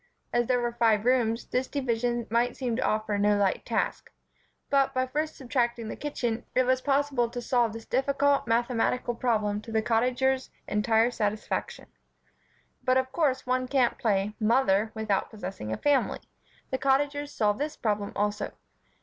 As there were five rooms, this division might seem to offer no light task; but, by first subtracting the kitchen, it was possible to solve this difficult mathematical problem to the Cottagers' entire satisfaction. But of course one can't play "Mother" without possessing a family. The Cottagers solved this problem also.